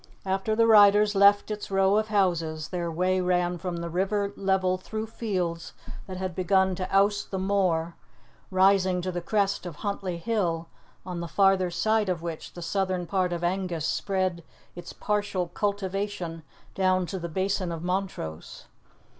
After the riders left its row of houses their way ran from the river level through fields that had begun to oust the moor, rising to the crest of Huntly Hill, on the farther side of which the southern part of Angus spread its partial cultivation down to the Basin of Montrose.